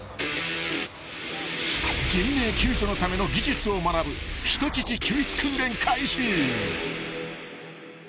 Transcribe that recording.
［人命救助のための技術を学ぶ人質救出訓練開始］